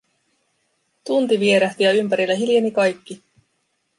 Tunti vierähti ja ympärillä hiljeni kaikki.